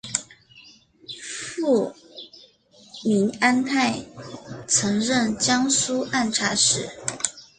父明安泰曾任江苏按察使。